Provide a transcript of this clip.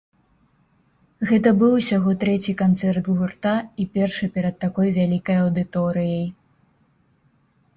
Гэта быў усяго трэці канцэрт гурта, і першы перад такой вялікай аўдыторыяй.